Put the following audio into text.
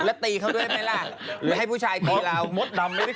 แล้วตีเขาด้วยไหมล่ะหรือให้ผู้ชายกะีร้าว